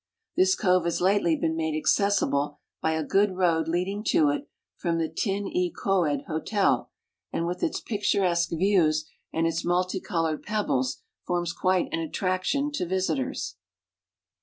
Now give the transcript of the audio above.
This cove has lately been made accessible by a good road leading to it from the Tyn y coed hotel, and with its picturesque views and its multicolored pebbles forms quite an attrac tion to visitors.